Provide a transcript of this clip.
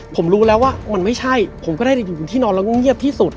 ผมรู้แล้วว่ามันไม่ใช่ผมก็ได้อยู่ที่นอนแล้วก็เงียบที่สุด